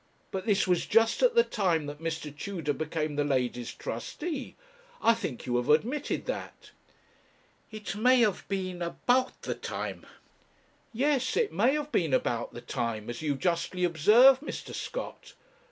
But this was just at the time that Mr. Tudor became the lady's trustee; I think you have admitted that.' 'It may have been about the time.' 'Yes; it may have been about the time, as you justly observe, Mr. Scott.